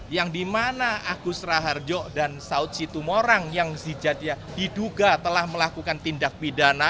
yang di mana agus raharjo dan saud situ morang yang diduga telah melakukan tindak pidana